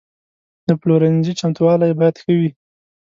د پلورنځي چمتووالی باید ښه وي.